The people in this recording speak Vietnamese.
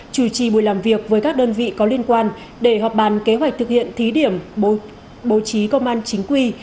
chủ trì buổi làm việc với các đơn vị có liên quan để họp bàn kế hoạch thực hiện thí điểm bố trí công an chính quy